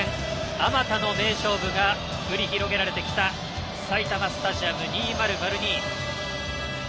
あまたの名勝負が繰り広げられてきた埼玉スタジアム２００２。